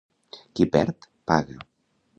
Qui perd, paga.